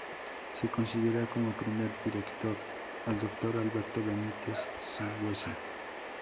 Se considera como primer director al doctor Alberto Benitez Sanhueza.